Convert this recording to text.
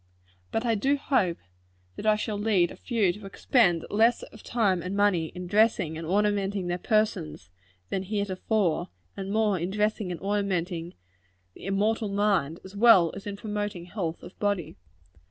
But I do hope that I shall lead a few to expend less of time and money in dressing and ornamenting their persons than heretofore, and more in dressing and ornamenting the immortal mind, as well as more in promoting health of body.